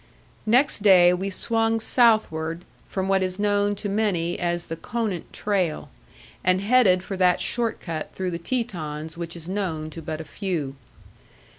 Next day we swung southward from what is known to many as the Conant trail, and headed for that short cut through the Tetons which is known to but a few.